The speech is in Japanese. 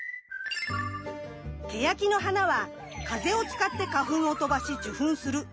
ケヤキの花は風を使って花粉を飛ばし受粉する風媒